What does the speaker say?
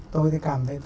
tôi thì cảm thấy